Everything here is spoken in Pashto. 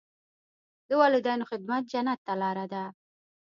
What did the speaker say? د والدینو خدمت جنت ته لاره ده.